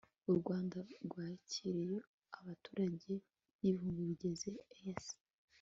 u rwanda rwakuriyeho abaturage b'ibihugu bigize eac